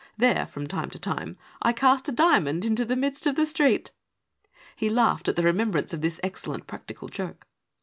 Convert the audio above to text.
There, from time to time, I cast a diamond into the midst of the street." He laughed at the remembrance of this excellent practical joke.